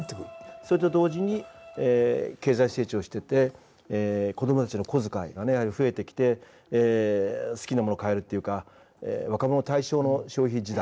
それと同時に経済成長してて子供たちの小遣いが増えてきて好きなもの買えるっていうか若者対象の消費時代。